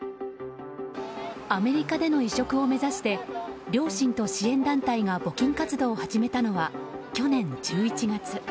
アメリカでの移植を目指して両親と支援団体が募金活動を始めたのは去年１１月。